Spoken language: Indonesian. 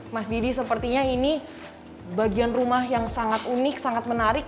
mas didi sepertinya ini bagian rumah yang sangat unik sangat menarik